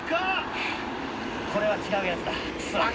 これは違うやつだクソ。